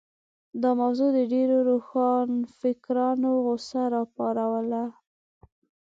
دا موضوع د ډېرو روښانفکرانو غوسه راوپاروله.